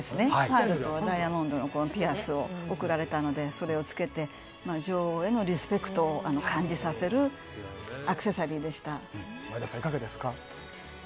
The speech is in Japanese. パールとダイヤモンドのピアスを贈られたのでそれを着けて女王へのリスペクトを前田さん、いかがですか？